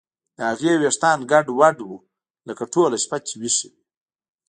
د هغې ویښتان ګډوډ وو لکه ټوله شپه چې ویښه وي